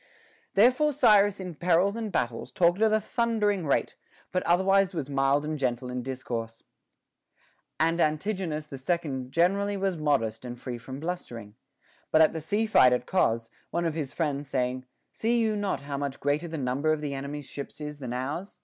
Therefore Cyrus in perils and battles talked at a thundering rate, but otherwise was mild and gentle in dis course. And Antigonus the Second generally was modest and free from blustering ; but at the sea fight at Cos, — one of his friends saying, See you not how much greater the number of the enemy's ships is than ours